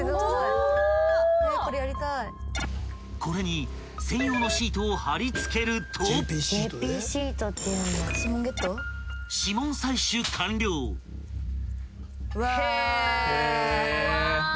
［これに専用のシートを貼り付けると］うわ！